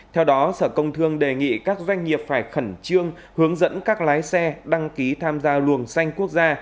theo đó sở công thương đề nghị các doanh nghiệp phải khẩn trương hướng dẫn các lái xe đăng ký tham gia luồng xanh quốc gia